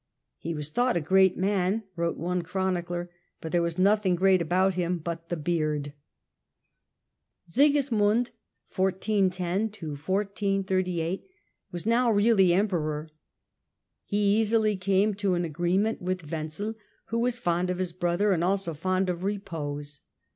'' He was thought a great man," wrote one Chronicler, " but there was nothing great about him but the beard." Sigismund, Sigismund was now really Emperor. He easily came 1410 1438 ^Q ^^ agreement with Wenzel, who was fond of his brother and also fond of repose.